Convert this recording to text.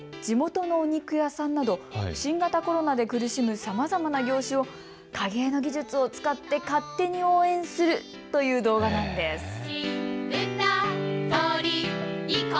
地元のお肉屋さんなど新型コロナで苦しむさまざまな業種を影絵の技術を使って勝手に応援するという動画なんです。